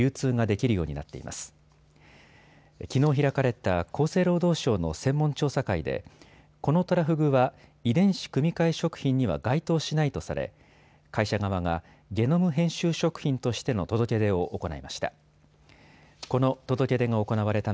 きのう開かれた厚生労働省の専門調査会でこのトラフグは遺伝子組換え食品には該当しないとされ会社側がゲノム編集食品としての届け出を行いました。